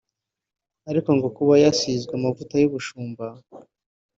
ariko ngo kuba yasizwe amavuta y’ubushumba